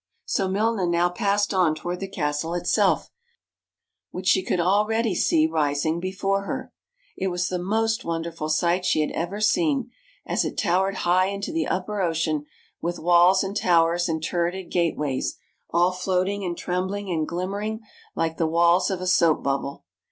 So Milna now passed on toward the castle itself, which she could already see rising before her. It was the most wonderful sight she had ever seen, as it towered high into the upper ocean, with walls and towers and turreted gateways, all floating and trembling and glimmering like the walls of a soap bubble.